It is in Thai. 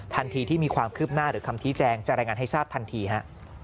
ทันทีที่มีความคืบหน้าหรือคำชี้แจงจะรายงานให้ทราบทันทีฮะ